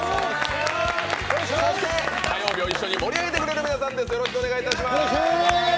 そして火曜日を一緒に盛り上げてくれる皆さんです。